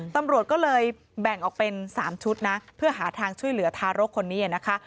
ตำรวจก็เลยแบ่งออกเป็น๓ชุดนะเพื่อหาทางช่วยเหลือทารกคนนี้นะคะ